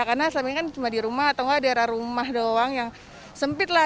karena selama ini kan cuma di rumah atau di arah rumah doang yang sempit lah